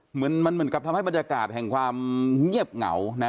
เหมือนมันเหมือนกับทำให้บรรยากาศแห่งความเงียบเหงานะ